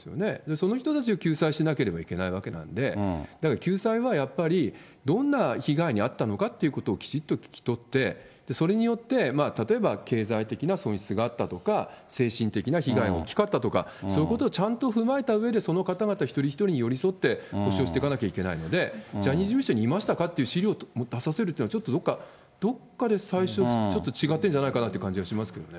その人たちを救済しなければいけないわけなんで、だから救済は、やっぱりどんな被害に遭ったのかっていうことを、きちっと聞き取って、それによって、例えば経済的な損失があったとか、精神的な被害が大きかったとか、そういうことをちゃんと踏まえたうえで、その方々一人一人に寄り添って補償してかなきゃいけないので、ジャニーズ事務所にいましたかっていう資料を出させるっていうのは、ちょっとどこか、どこかで最初、ちょっと違ってんじゃないかなっていう気がしますけどね。